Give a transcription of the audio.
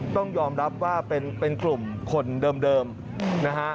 ต้องยอมรับว่าเป็นกลุ่มคนเดิมนะฮะ